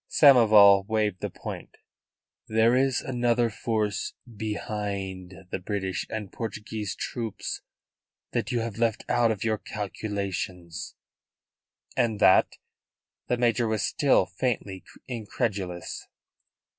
Samoval waived the point. "There is another force besides the British and Portuguese troops that you have left out of your calculations." "And that?" The major was still faintly incredulous.